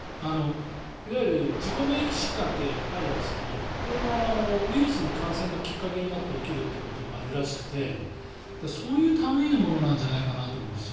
いわゆる自己免疫疾患ってあるんですがこれもウイルスの感染がきっかけになって起きるということがあるらしくてそういう類いのものなんじゃないかと思うんです。